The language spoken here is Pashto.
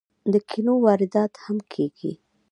د کینو واردات هم کیږي.